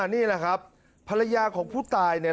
นี่แหละครับภรรยาของผู้ตายเนี่ย